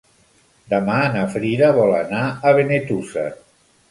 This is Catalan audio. Demà na Frida vol anar a Benetússer.